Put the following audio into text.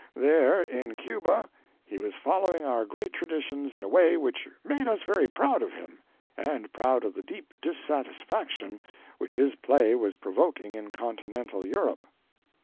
There, in Cuba, he was following our great traditions in a way which made us very proud of him, and proud of the deep dissatisfaction which his play was provoking in Continental Europe.